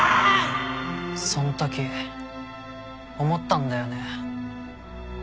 その時思ったんだよね。